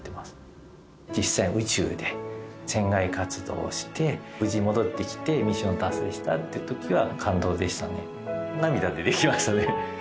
実際宇宙で船外活動をして無事戻ってきてミッション達成したって時は。